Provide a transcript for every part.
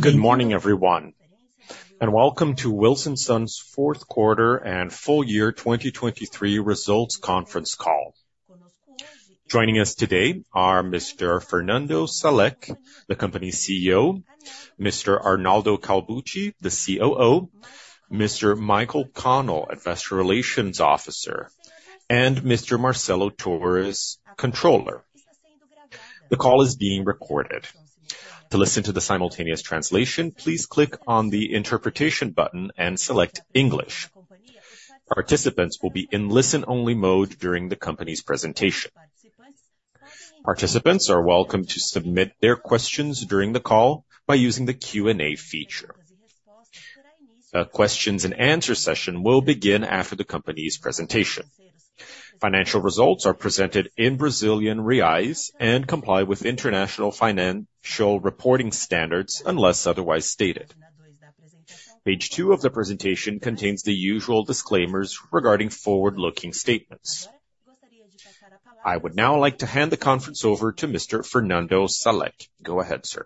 Good morning, everyone, and welcome to Wilson Sons' fourth quarter and full year 2023 results conference call. Joining us today are Mr. Fernando Salek, the company's CEO, Mr. Arnaldo Calbucci, the COO, Mr. Michael Connell, Investor Relations Officer, and Mr. Marcelo Torres, Controller. The call is being recorded. To listen to the simultaneous translation, please click on the interpretation button and select English. Participants will be in listen-only mode during the company's presentation. Participants are welcome to submit their questions during the call by using the Q&A feature. A questions and answer session will begin after the company's presentation. Financial results are presented in Brazilian reais and comply with International Financial Reporting Standards, unless otherwise stated. Page 2 of the presentation contains the usual disclaimers regarding forward-looking statements. I would now like to hand the conference over to Mr. Fernando Salek. Go ahead, sir.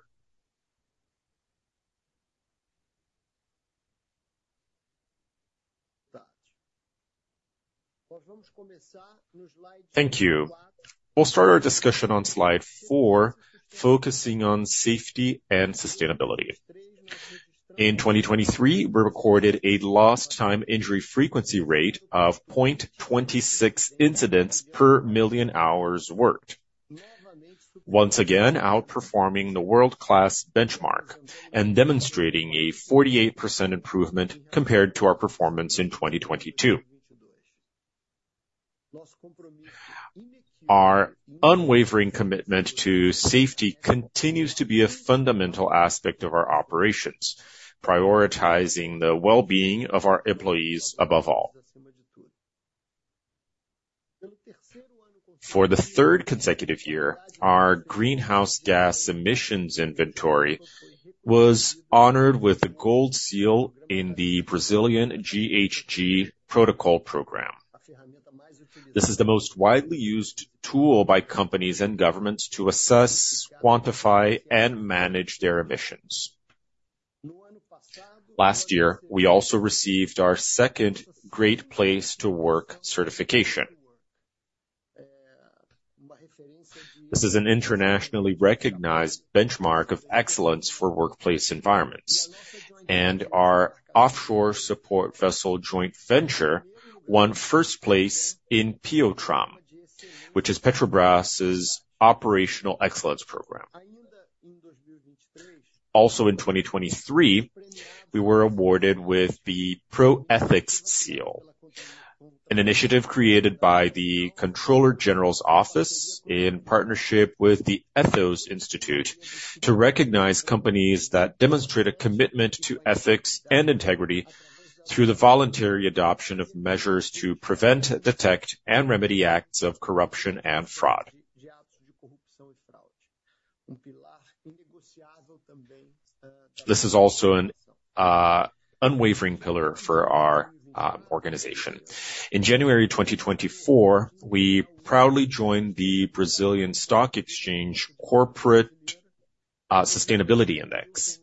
Thank you. We'll start our discussion on slide four, focusing on safety and sustainability. In 2023, we recorded a Lost Time Injury Frequency Rate of 0.26 incidents per million hours worked. Once again, outperforming the world-class benchmark and demonstrating a 48% improvement compared to our performance in 2022. Our unwavering commitment to safety continues to be a fundamental aspect of our operations, prioritizing the well-being of our employees above all. For the third consecutive year, our greenhouse gas emissions inventory was honored with a gold seal in the Brazilian GHG Protocol Program. This is the most widely used tool by companies and governments to assess, quantify, and manage their emissions. Last year, we also received our second Great Place to Work certification. This is an internationally recognized benchmark of excellence for workplace environments, and our offshore support vessel joint venture won first place in PEOTRAM, which is Petrobras' operational excellence program. Also, in 2023, we were awarded with the Pró-Ética Seal, an initiative created by the Comptroller General's Office in partnership with the Ethos Institute, to recognize companies that demonstrate a commitment to ethics and integrity through the voluntary adoption of measures to prevent, detect, and remedy acts of corruption and fraud. This is also an unwavering pillar for our organization. In January 2024, we proudly joined the Brazilian Stock Exchange Corporate Sustainability Index,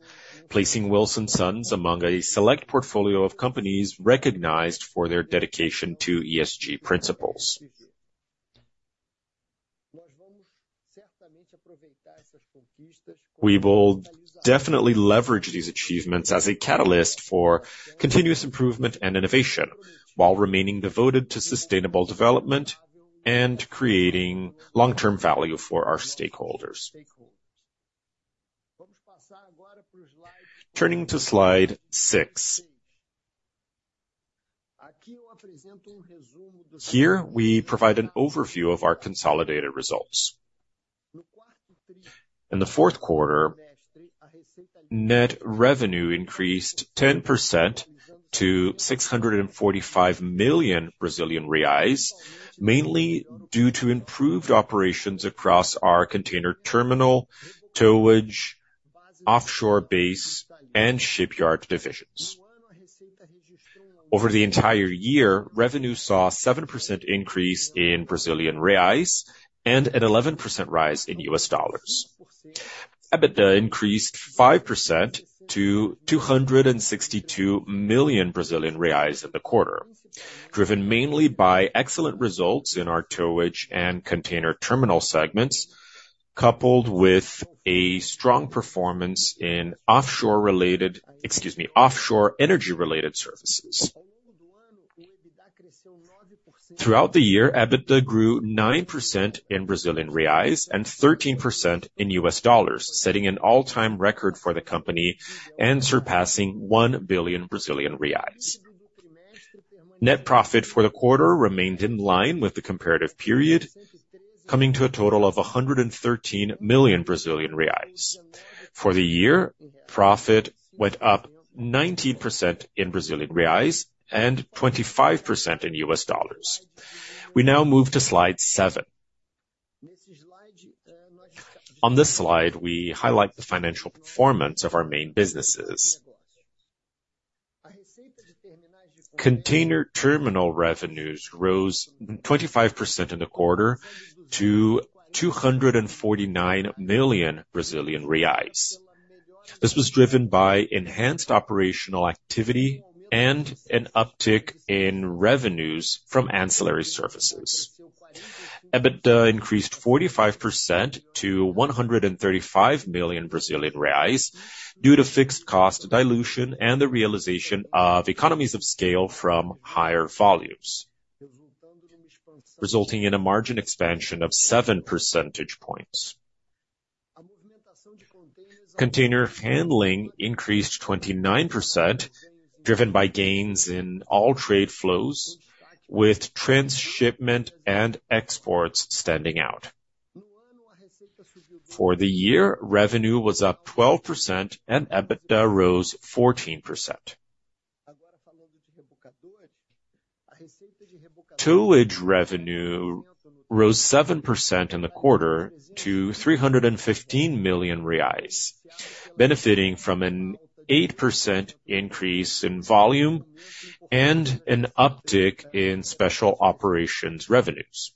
placing Wilson Sons among a select portfolio of companies recognized for their dedication to ESG principles. We will definitely leverage these achievements as a catalyst for continuous improvement and innovation, while remaining devoted to sustainable development and creating long-term value for our stakeholders. Turning to Slide 6. Here, we provide an overview of our consolidated results. In the fourth quarter, net revenue increased 10% to 645 million Brazilian reais, mainly due to improved operations across our container terminal, towage, offshore base, and shipyard divisions. Over the entire year, revenue saw 7% increase in BRL and an 11% rise in USD. EBITDA increased 5% to 262 million Brazilian reais in the quarter, driven mainly by excellent results in our towage and container terminal segments, coupled with a strong performance in offshore-related, excuse me, offshore energy-related services. Throughout the year, EBITDA grew 9% in BRL and 13% in USD, setting an all-time record for the company and surpassing 1 billion Brazilian reais. Net profit for the quarter remained in line with the comparative period, coming to a total of 113 million Brazilian reais. For the year, profit went up 19% in Brazilian reais and 25% in US dollars. We now move to slide 7. On this slide, we highlight the financial performance of our main businesses.... Container terminal revenues rose 25% in the quarter to 249 million Brazilian reais. This was driven by enhanced operational activity and an uptick in revenues from ancillary services. EBITDA increased 45% to 135 million Brazilian reais, due to fixed cost dilution and the realization of economies of scale from higher volumes, resulting in a margin expansion of 7 percentage points. Container handling increased 29%, driven by gains in all trade flows, with transshipment and exports standing out. For the year, revenue was up 12% and EBITDA rose 14%. Towage revenue rose 7% in the quarter to 315 million reais, benefiting from an 8% increase in volume and an uptick in special operations revenues.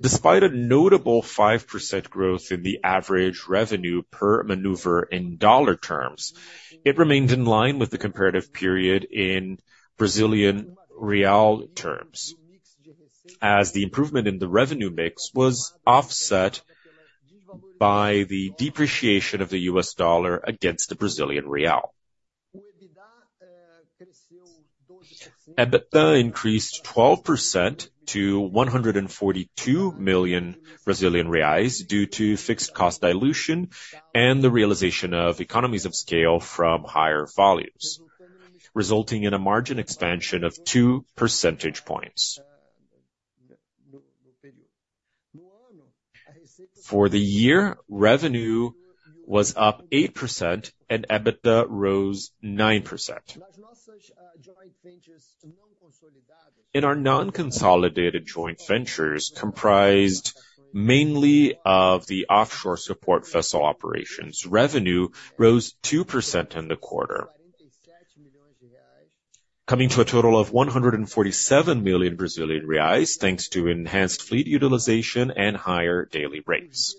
Despite a notable 5% growth in the average revenue per maneuver in dollar terms, it remained in line with the comparative period in Brazilian real terms, as the improvement in the revenue mix was offset by the depreciation of the US dollar against the Brazilian real. EBITDA increased 12% to 142 million Brazilian reais, due to fixed cost dilution and the realization of economies of scale from higher volumes, resulting in a margin expansion of 2 percentage points. For the year, revenue was up 8% and EBITDA rose 9%. In our non-consolidated joint ventures, comprised mainly of the offshore support vessel operations, revenue rose 2% in the quarter, coming to a total of 147 million Brazilian reais, thanks to enhanced fleet utilization and higher daily rates.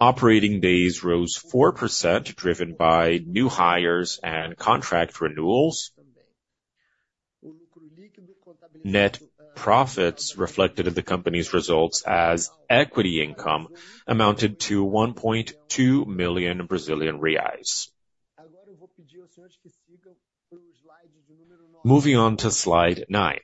Operating days rose 4%, driven by new hires and contract renewals. Net profits reflected in the company's results as equity income amounted to 1.2 million Brazilian reais. Moving on to slide 9.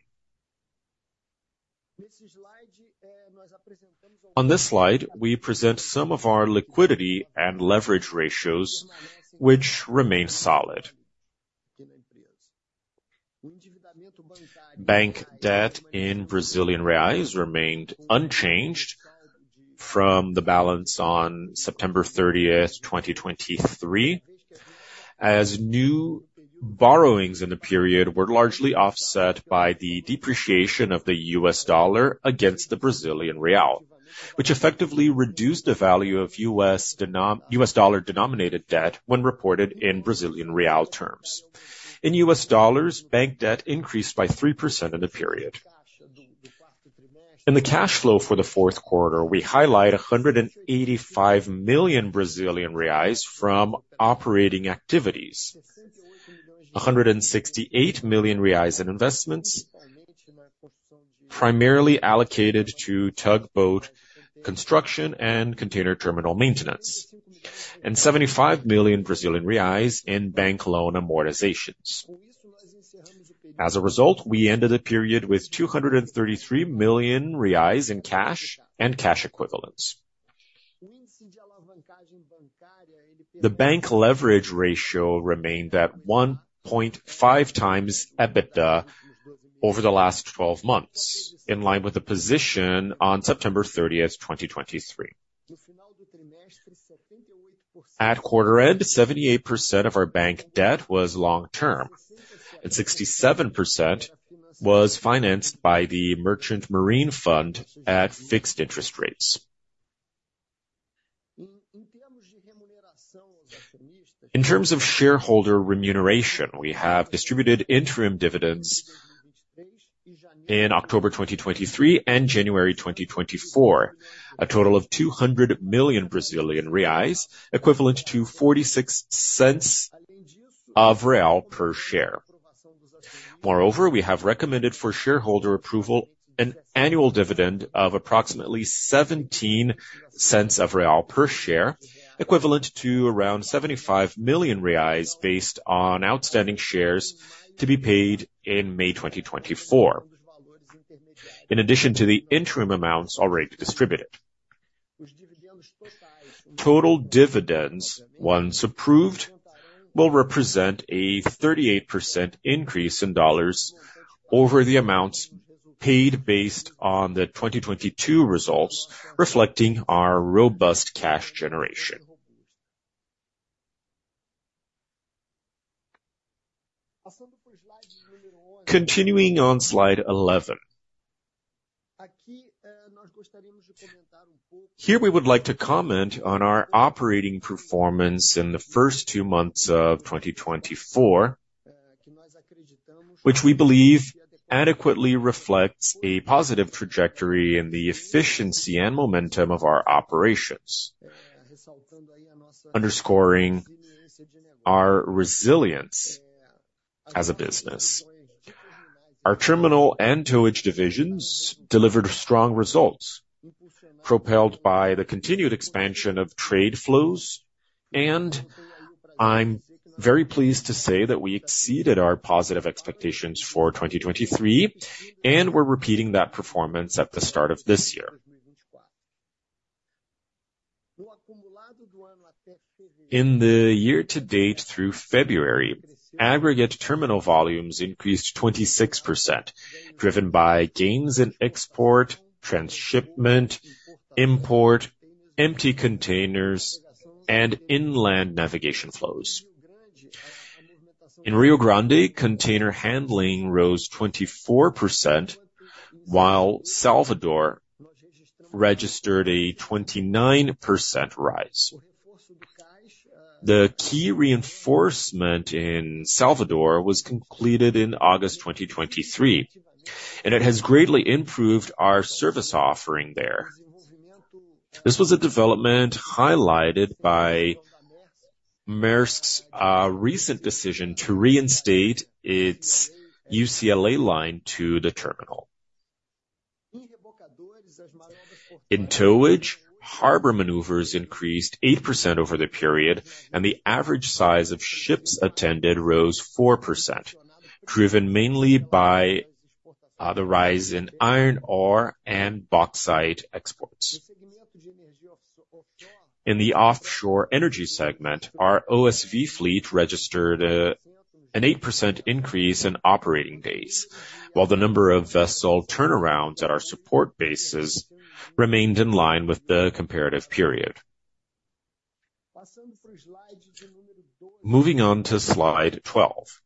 On this slide, we present some of our liquidity and leverage ratios, which remain solid. Bank debt in Brazilian reais remained unchanged from the balance on September thirtieth, 2023, as new borrowings in the period were largely offset by the depreciation of the US dollar against the Brazilian real, which effectively reduced the value of US dollar-denominated debt when reported in Brazilian real terms. In U.S. dollars, bank debt increased by 3% in the period. In the cash flow for the fourth quarter, we highlight 185 million Brazilian reais from operating activities, 168 million reais in investments, primarily allocated to tugboat construction and container terminal maintenance, and 75 million Brazilian reais in bank loan amortizations. As a result, we ended the period with 233 million reais in cash and cash equivalents. The bank leverage ratio remained at 1.5x EBITDA over the last 12 months, in line with the position on September 30, 2023. At quarter end, 78% of our bank debt was long-term, and 67% was financed by the Merchant Marine Fund at fixed interest rates. In terms of shareholder remuneration, we have distributed interim dividends in October 2023 and January 2024, a total of 200 million Brazilian reais, equivalent to 0.46 per share. Moreover, we have recommended for shareholder approval an annual dividend of approximately 0.17 per share, equivalent to around 75 million reais based on outstanding shares to be paid in May 2024, in addition to the interim amounts already distributed. Total dividends, once approved, will represent a 38% increase in dollars over the amounts paid based on the 2022 results, reflecting our robust cash generation. Continuing on slide 11. Here, we would like to comment on our operating performance in the first two months of 2024, which we believe adequately reflects a positive trajectory in the efficiency and momentum of our operations, underscoring our resilience as a business. Our terminal and towage divisions delivered strong results, propelled by the continued expansion of trade flows. I'm very pleased to say that we exceeded our positive expectations for 2023, and we're repeating that performance at the start of this year. In the year-to-date through February, aggregate terminal volumes increased 26%, driven by gains in export, transshipment, import, empty containers, and inland navigation flows. In Rio Grande, container handling rose 24%, while Salvador registered a 29% rise. The key reinforcement in Salvador was completed in August 2023, and it has greatly improved our service offering there. This was a development highlighted by Maersk's recent decision to reinstate its UCLA line to the terminal. In towage, harbor maneuvers increased 8% over the period, and the average size of ships attended rose 4%, driven mainly by the rise in iron ore and bauxite exports. In the offshore energy segment, our OSV fleet registered an 8% increase in operating days, while the number of vessel turnarounds at our support bases remained in line with the comparative period. Moving on to slide 12.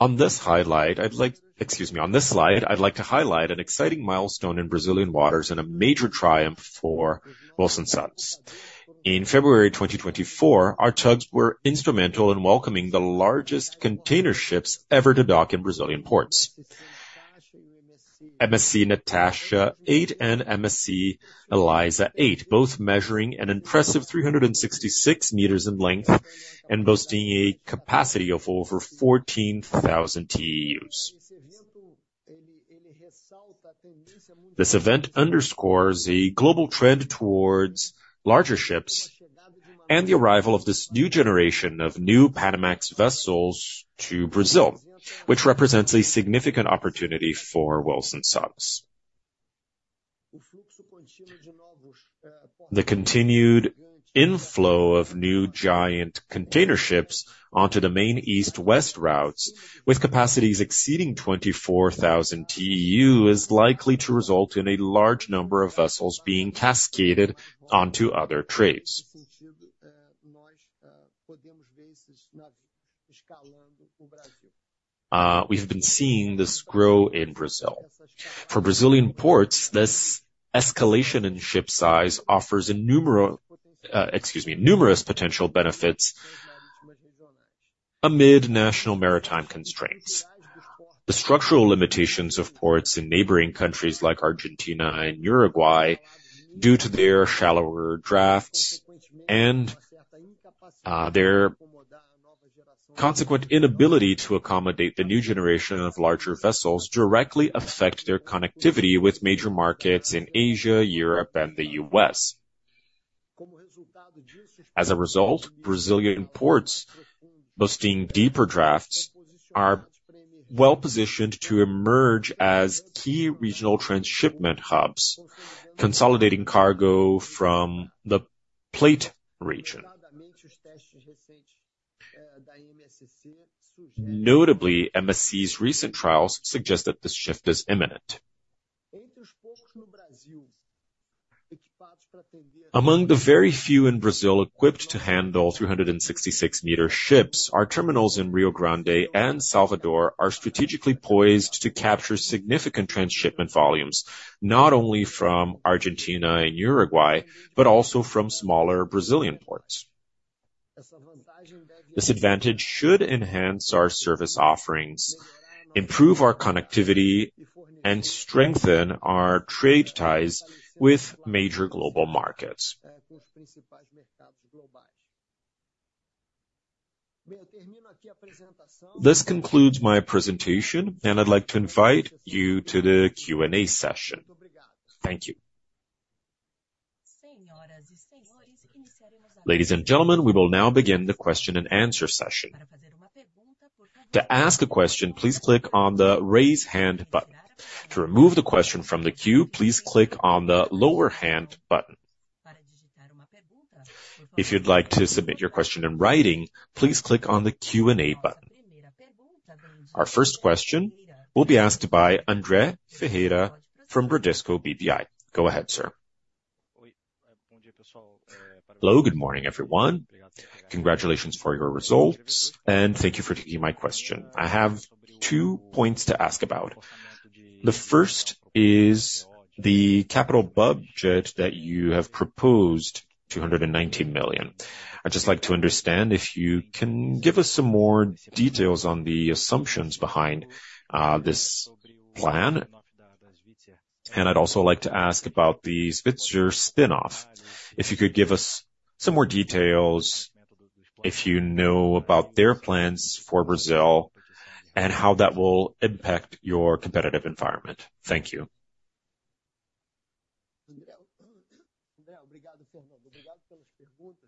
On this highlight, I'd like—Excuse me. On this slide, I'd like to highlight an exciting milestone in Brazilian waters and a major triumph for Wilson Sons. In February 2024, our tugs were instrumental in welcoming the largest container ships ever to dock in Brazilian ports. MSC Natasha XIII and MSC Elisa XIII, both measuring an impressive 366 meters in length and boasting a capacity of over 14,000 TEUs. This event underscores a global trend towards larger ships and the arrival of this new generation of New Panamax vessels to Brazil, which represents a significant opportunity for Wilson Sons. The continued inflow of new giant container ships onto the main east-west routes, with capacities exceeding 24,000 TEU, is likely to result in a large number of vessels being cascaded onto other trades. We've been seeing this grow in Brazil. For Brazilian ports, this escalation in ship size offers numerous potential benefits amid national maritime constraints. The structural limitations of ports in neighboring countries like Argentina and Uruguay, due to their shallower drafts and their consequent inability to accommodate the new generation of larger vessels, directly affect their connectivity with major markets in Asia, Europe, and the U.S. As a result, Brazilian ports, boasting deeper drafts, are well-positioned to emerge as key regional transshipment hubs, consolidating cargo from the Plata region. Notably, MSC's recent trials suggest that this shift is imminent. Among the very few in Brazil equipped to handle 366-meter ships, our terminals in Rio Grande and Salvador are strategically poised to capture significant transshipment volumes, not only from Argentina and Uruguay, but also from smaller Brazilian ports. This advantage should enhance our service offerings, improve our connectivity, and strengthen our trade ties with major global markets. This concludes my presentation, and I'd like to invite you to the Q&A session. Thank you. Ladies and gentlemen, we will now begin the question-and-answer session. To ask a question, please click on the Raise Hand button. To remove the question from the queue, please click on the Lower Hand button. If you'd like to submit your question in writing, please click on the Q&A button. Our first question will be asked by André Ferreira from Bradesco BBI. Go ahead, sir. Hello, good morning, everyone. Congratulations for your results, and thank you for taking my question. I have two points to ask about. The first is the capital budget that you have proposed, 219 million. I'd just like to understand if you can give us some more details on the assumptions behind this plan. I'd also like to ask about the Svitzer spin-off. If you could give us some more details, if you know about their plans for Brazil, and how that will impact your competitive environment. Thank you.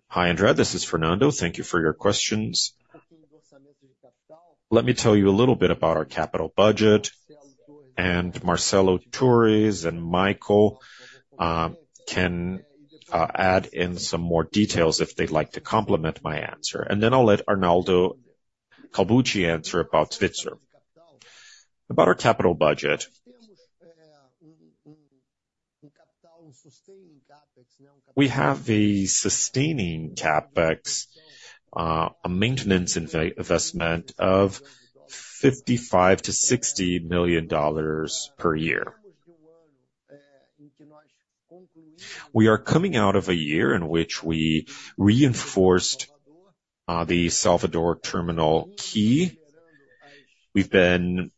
Hi, André, this is Fernando. Thank you for your questions. Let me tell you a little bit about our capital budget, and Marcelo Torres and Michael can add in some more details if they'd like to complement my answer, and then I'll let Arnaldo Calbucci answer about Svitzer. About our capital budget, we have a sustaining CapEx, a maintenance investment of $55-$60 million per year. We are coming out of a year in which we reinforced the Salvador Terminal quay. We've been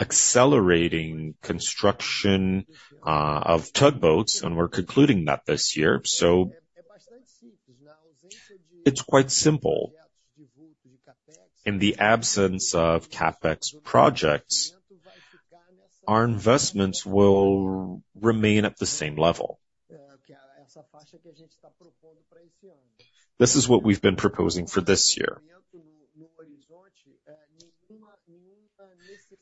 accelerating construction of tugboats, and we're concluding that this year. So it's quite simple. In the absence of CapEx projects, our investments will remain at the same level. This is what we've been proposing for this year.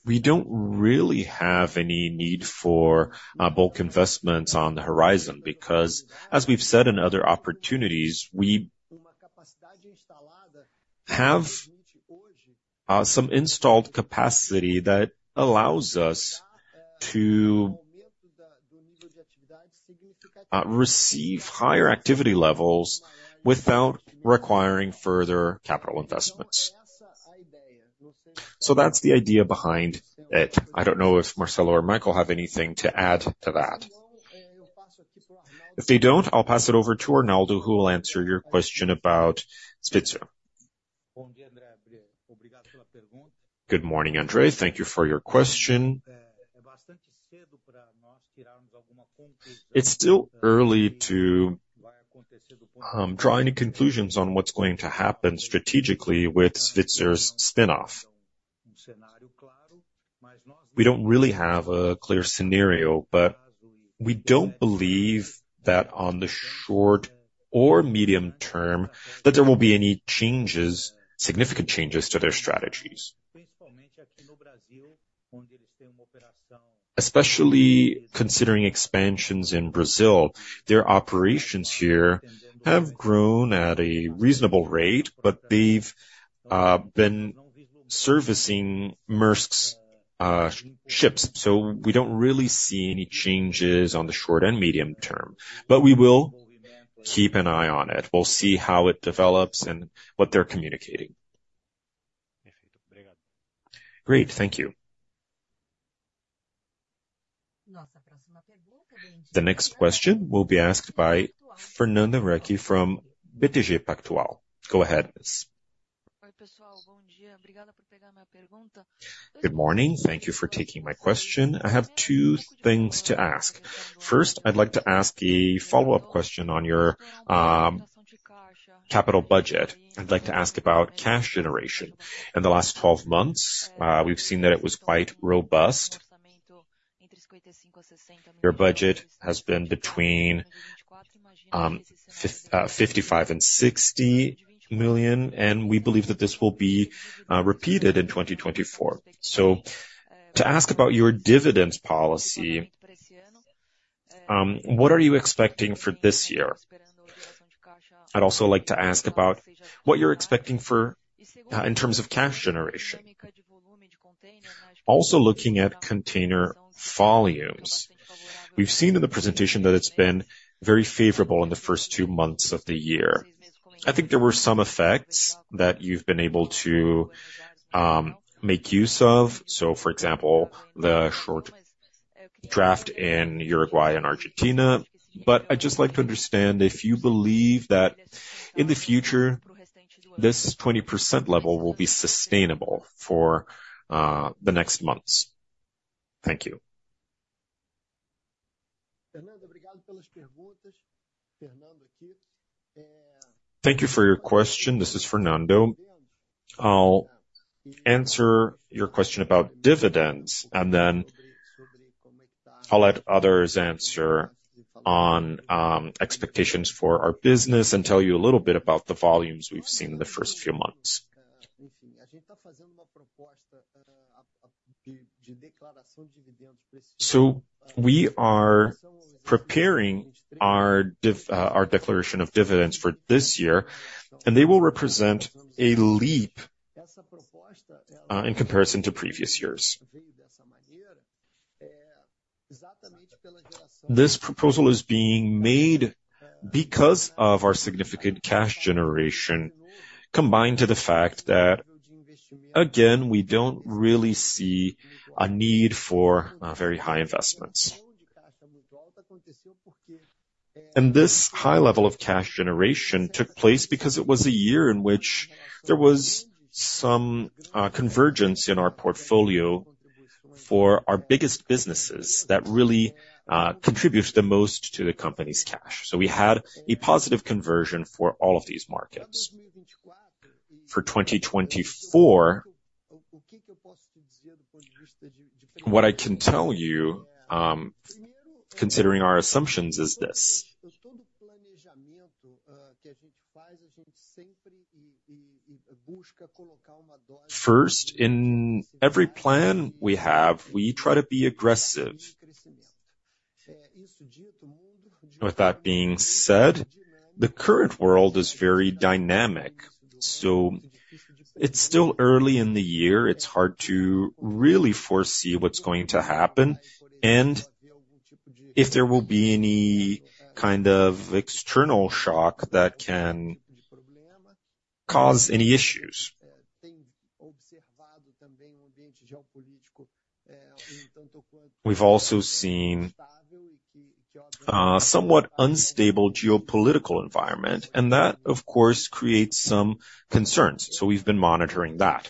We don't really have any need for bulk investments on the horizon, because as we've said in other opportunities, we have some installed capacity that allows us to receive higher activity levels without requiring further capital investments. So that's the idea behind it. I don't know if Marcelo or Michael have anything to add to that. If they don't, I'll pass it over to Arnaldo, who will answer your question about Svitzer. Good morning, André. Thank you for your question. It's still early to draw any conclusions on what's going to happen strategically with Svitzer's spin-off. We don't really have a clear scenario, but we don't believe that on the short or medium term, that there will be any changes, significant changes to their strategies. Especially considering expansions in Brazil, their operations here have grown at a reasonable rate, but they've been servicing Maersk's ships, so we don't really see any changes on the short and medium term. But we will keep an eye on it. We'll see how it develops and what they're communicating. Great, thank you. The next question will be asked by Fernão Paes Leme from BTG Pactual. Go ahead, please. Good morning. Thank you for taking my question. I have two things to ask. First, I'd like to ask a follow-up question on your capital budget. I'd like to ask about cash generation. In the last 12 months, we've seen that it was quite robust. Your budget has been between 55 million and 60 million, and we believe that this will be repeated in 2024. So to ask about your dividend policy, what are you expecting for this year? I'd also like to ask about what you're expecting for, in terms of cash generation. Also, looking at container volumes, we've seen in the presentation that it's been very favorable in the first two months of the year. I think there were some effects that you've been able to make use of, so, for example, the short draft in Uruguay and Argentina. But I'd just like to understand if you believe that in the future, this 20% level will be sustainable for, the next months. Thank you. Thank you for your question. This is Fernando. I'll answer your question about dividends, and then I'll let others answer on, expectations for our business and tell you a little bit about the volumes we've seen in the first few months. So we are preparing our declaration of dividends for this year, and they will represent a leap in comparison to previous years. This proposal is being made because of our significant cash generation, combined to the fact that, again, we don't really see a need for very high investments. And this high level of cash generation took place because it was a year in which there was some convergence in our portfolio for our biggest businesses that really contributes the most to the company's cash. So we had a positive conversion for all of these markets. For 2024, what I can tell you, considering our assumptions, is this: First, in every plan we have, we try to be aggressive. With that being said, the current world is very dynamic, so it's still early in the year. It's hard to really foresee what's going to happen and if there will be any kind of external shock that can cause any issues. We've also seen somewhat unstable geopolitical environment, and that, of course, creates some concerns. So we've been monitoring that.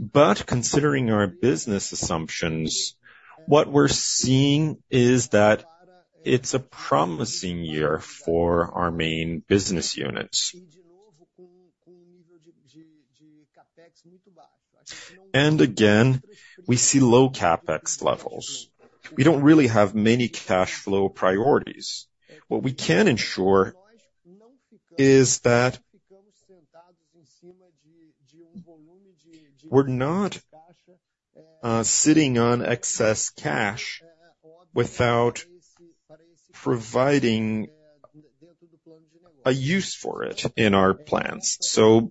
But considering our business assumptions, what we're seeing is that it's a promising year for our main business units. And again, we see low CapEx levels. We don't really have many cash flow priorities. What we can ensure is that we're not sitting on excess cash without providing a use for it in our plans. So,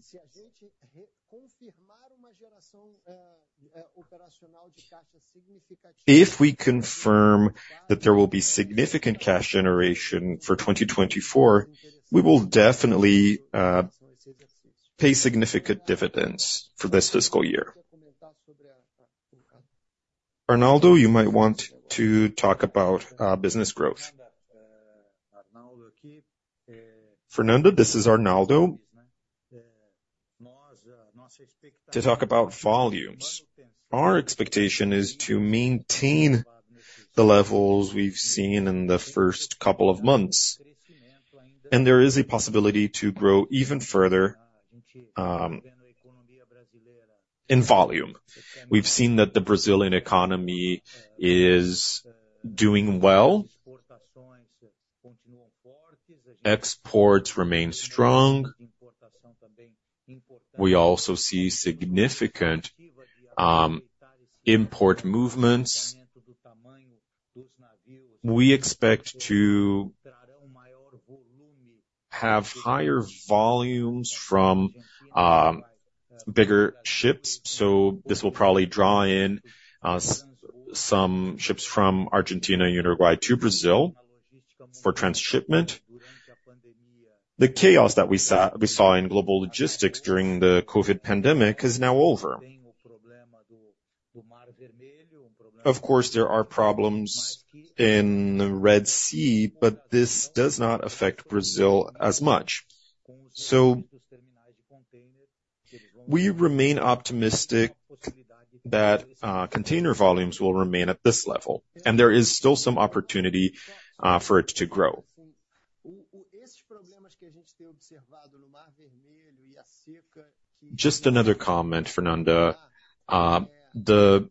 if we confirm that there will be significant cash generation for 2024, we will definitely pay significant dividends for this fiscal year. Arnaldo, you might want to talk about business growth. Fernando, this is Arnaldo. To talk about volumes, our expectation is to maintain the levels we've seen in the first couple of months, and there is a possibility to grow even further in volume. We've seen that the Brazilian economy is doing well. Exports remain strong. We also see significant import movements. We expect to have higher volumes from bigger ships, so this will probably draw in some ships from Argentina, Uruguay to Brazil for transshipment. The chaos that we saw in global logistics during the COVID pandemic is now over. Of course, there are problems in the Red Sea, but this does not affect Brazil as much. So we remain optimistic that container volumes will remain at this level, and there is still some opportunity for it to grow. Just another comment, Fernando. The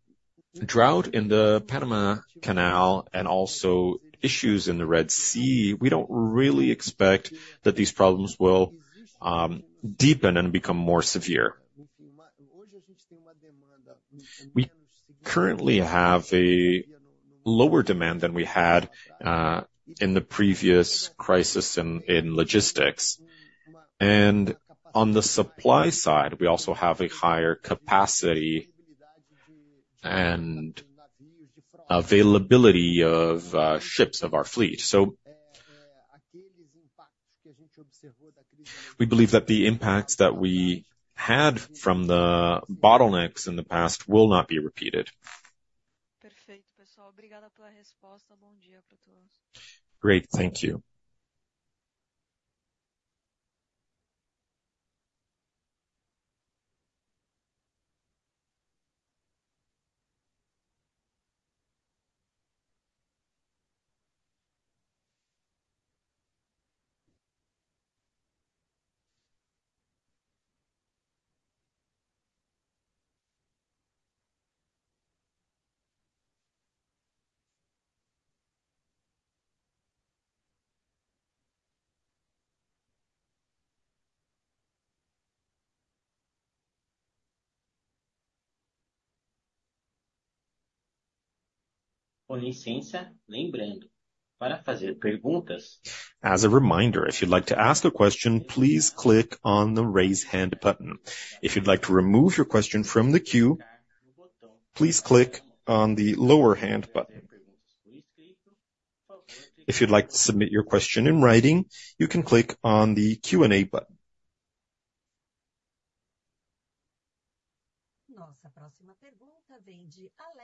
drought in the Panama Canal and also issues in the Red Sea, we don't really expect that these problems will deepen and become more severe. We currently have a lower demand than we had in the previous crisis in logistics. And on the supply side, we also have a higher capacity and availability of ships of our fleet. So, we believe that the impacts that we had from the bottlenecks in the past will not be repeated. Great, thank you. ...With licença. Lembrando: para fazer perguntas- As a reminder, if you'd like to ask a question, please click on the Raise Hand button. If you'd like to remove your question from the queue, please click on the Lower Hand button. If you'd like to submit your question in writing, you can click on the Q&A button. Nossa próxima pergunta vem de Alex André.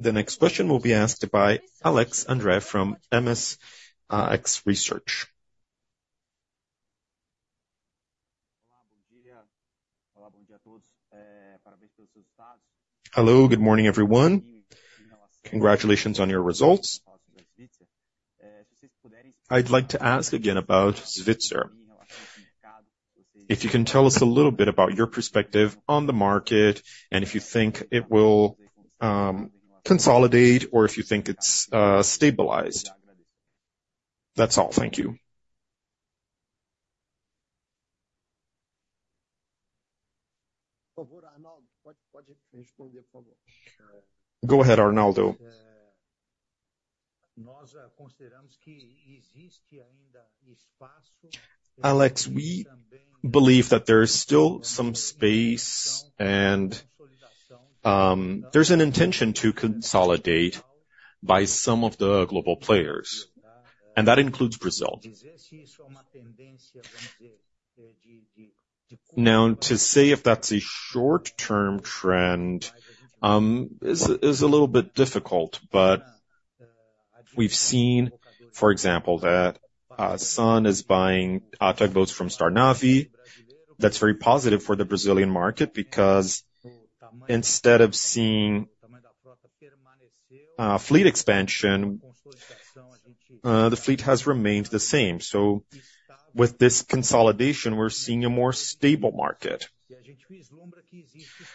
The next question will be asked by Alex André from MSX Invest. Olá, bom dia. Olá, bom dia a todos. É, parabéns pelos seus resultados. Hello, good morning, everyone. Congratulations on your results. I'd like to ask again about Svitzer. If you can tell us a little bit about your perspective on the market, and if you think it will consolidate or if you think it's stabilized? That's all. Thank you. Por favor, Arnaldo, pode responder, por favor. Go ahead, Arnaldo. É, nós consideramos que existe ainda espaço- Alex, we believe that there is still some space and, there's an intention to consolidate by some of the global players, and that includes Brazil. Dizer se isso é uma tendência, vamos dizer, de- Now, to say if that's a short-term trend is a little bit difficult, but we've seen, for example, that SAAM Towage is buying tugboats from Starnav. That's very positive for the Brazilian market because instead of seeing fleet expansion, the fleet has remained the same. So with this consolidation, we're seeing a more stable market.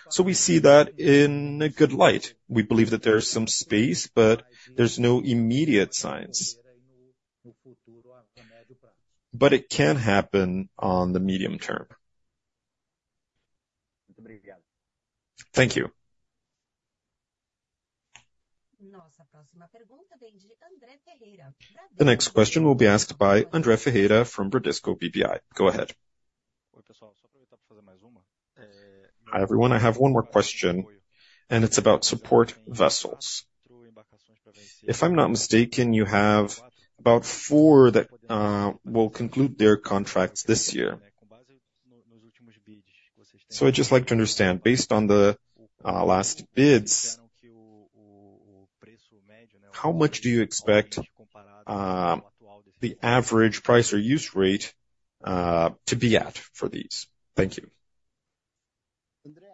So we see that in a good light. We believe that there is some space, but there's no immediate signs. But it can happen on the medium term. Muito obrigado. Thank you. Nossa próxima pergunta vem de André Ferreira. The next question will be asked by André Ferreira from Bradesco BBI. Go ahead. Oi, pessoal. Só aproveitar pra fazer mais uma. Hi, everyone. I have one more question, and it's about support vessels. If I'm not mistaken, you have about four that will conclude their contracts this year. So I'd just like to understand, based on the last bids, how much do you expect the average price or use rate to be at for these? Thank you. André,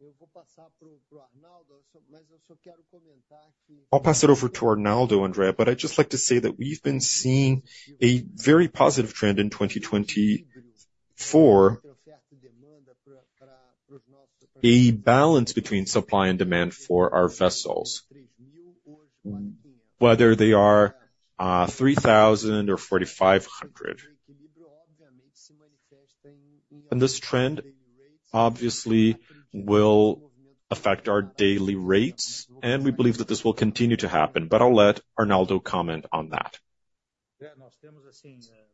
eu vou passar pro Arnaldo, mas eu só quero comentar que- I'll pass it over to Arnaldo, André, but I'd just like to say that we've been seeing a very positive trend in 2024, a balance between supply and demand for our vessels, whether they are 3,000 or 4,500. And this trend obviously will affect our daily rates, and we believe that this will continue to happen. But I'll let Arnaldo comment on that. É, nós temos, assim, bastante segurança que, que essas embarcações que estão-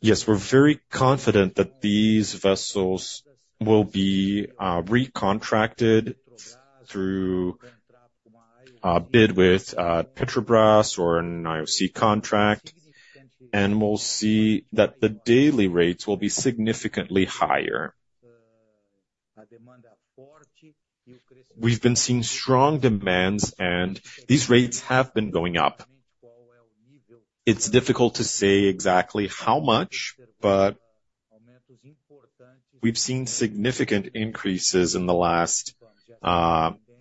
Yes, we're very confident that these vessels will be recontracted through bid with Petrobras or an IOC contract, and we'll see that the daily rates will be significantly higher. We've been seeing strong demands, and these rates have been going up. It's difficult to say exactly how much, but we've seen significant increases in the last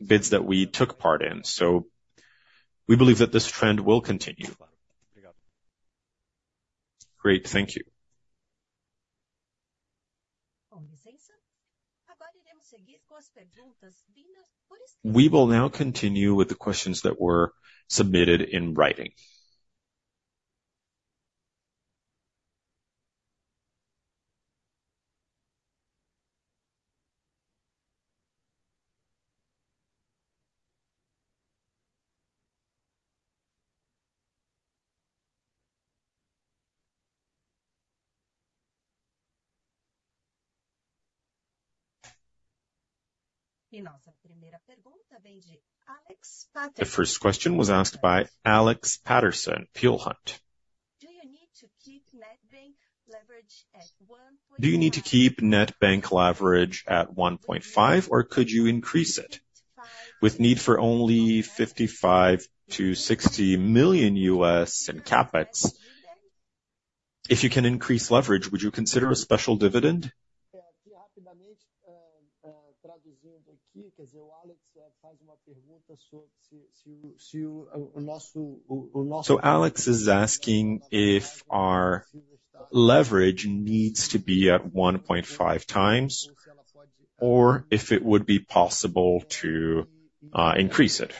bids that we took part in. So we believe that this trend will continue. Obrigado. Great. Thank you. Com licença. Agora iremos seguir com as perguntas vindas por escrito. We will now continue with the questions that were submitted in writing. Nossa primeira pergunta vem de Alex Paterson. The first question was asked by Alex Paterson, Peel Hunt. Do you need to keep net bank leverage at 1.5? Do you need to keep net bank leverage at 1.5, or could you increase it? With need for only $55 million-$60 million in CapEx, if you can increase leverage, would you consider a special dividend? É, aqui rapidamente, traduzindo aqui. Quer dizer, o Alex faz uma pergunta sobre se o nosso- So Alex is asking if our leverage needs to be at 1.5 times, or if it would be possible to increase it.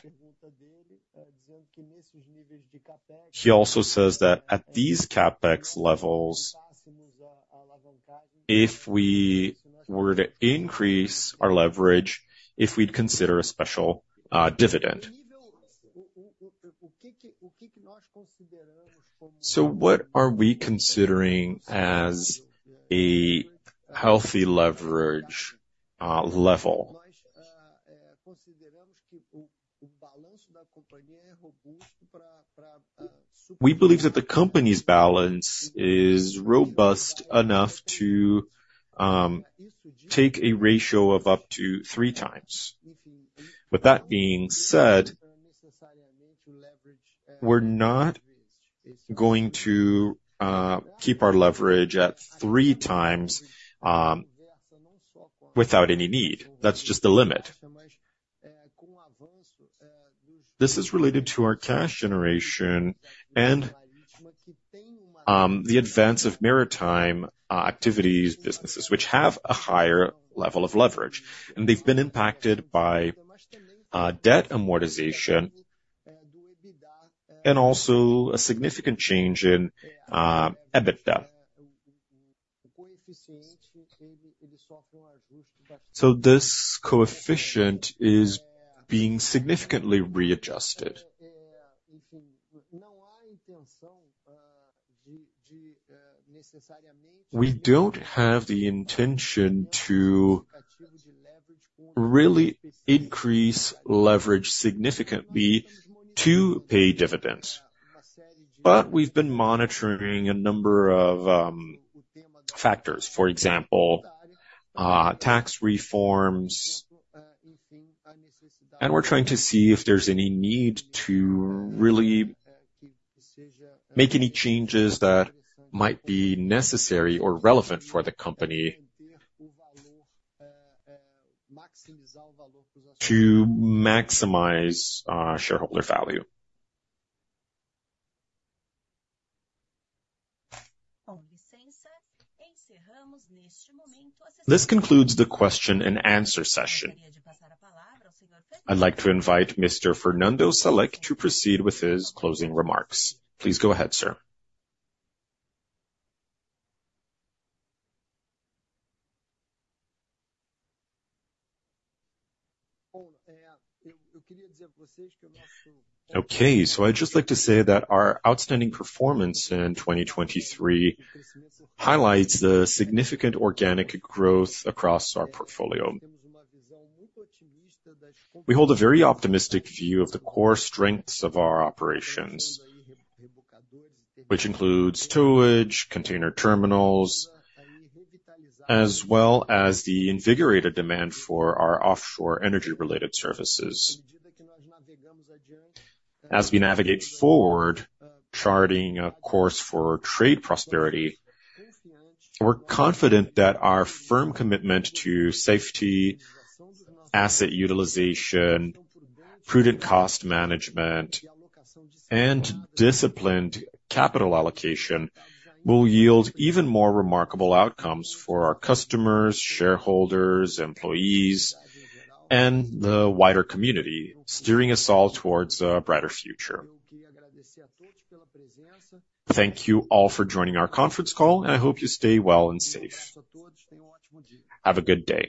He also says that at these CapEx levels, if we were to increase our leverage, if we'd consider a special dividend. So what are we considering as a healthy leverage level? We believe that the company's balance is robust enough to take a ratio of up to 3 times. With that being said, we're not going to keep our leverage at 3 times without any need. That's just the limit. This is related to our cash generation and the advance of maritime activities, businesses, which have a higher level of leverage, and they've been impacted by debt amortization and also a significant change in EBITDA. So this coefficient is being significantly readjusted. We don't have the intention to really increase leverage significantly to pay dividends, but we've been monitoring a number of factors. For example, tax reforms, and we're trying to see if there's any need to really make any changes that might be necessary or relevant for the company to maximize shareholder value. This concludes the question and answer session. I'd like to invite Mr. Fernando Salek to proceed with his closing remarks. Please go ahead, sir. Okay, so I'd just like to say that our outstanding performance in 2023 highlights the significant organic growth across our portfolio. We hold a very optimistic view of the core strengths of our operations, which includes towage, container terminals, as well as the invigorated demand for our offshore energy-related services. As we navigate forward, charting a course for trade prosperity, we're confident that our firm commitment to safety, asset utilization, prudent cost management, and disciplined capital allocation will yield even more remarkable outcomes for our customers, shareholders, employees, and the wider community, steering us all towards a brighter future. Thank you all for joining our conference call, and I hope you stay well and safe. Have a good day!